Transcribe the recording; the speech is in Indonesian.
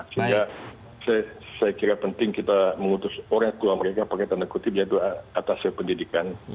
sehingga saya kira penting kita mengutus orang tua mereka pakai tanda kutip yaitu atas pendidikan